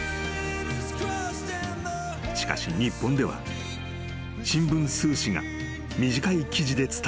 ［しかし日本では新聞数紙が短い記事で伝えただけだった］